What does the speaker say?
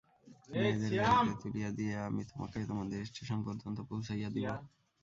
মেয়েদের গাড়িতে তুলিয়া দিয়া আমি তোমাকে তোমাদের স্টেশন পর্যন্ত পৌঁছাইয়া দিব।